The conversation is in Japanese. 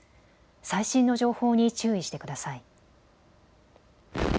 最新の情報に注意してください。